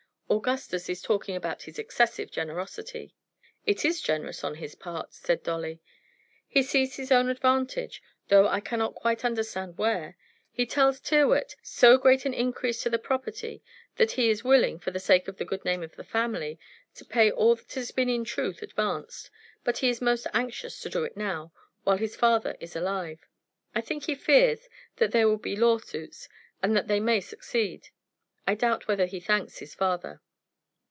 Augustus is talking about his excessive generosity." "It is generous on his part," said Dolly. "He sees his own advantage, though I cannot quite understand where. He tells Tyrrwhit that as there is so great an increase to the property he is willing, for the sake of the good name of the family, to pay all that has been in truth advanced; but he is most anxious to do it now, while his father is alive. I think he fears that there will be lawsuits, and that they may succeed. I doubt whether he thanks his father."